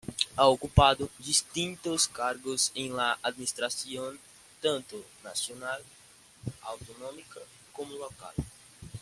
Ha ocupado distintos cargos en la administración, tanto nacional, autonómica como local.